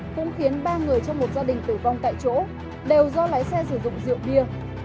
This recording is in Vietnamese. cũng khiến ba người trong một gia đình tử vong tại chỗ đều do lái xe sử dụng rượu bia